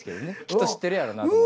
きっと知ってるやろなと。